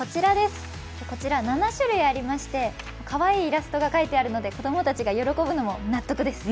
こちら７種類ありまして、かわいいイラストが描いてあるので子供たちが喜ぶのも納得です。